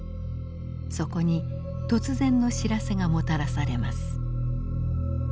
そこに突然の知らせがもたらされます。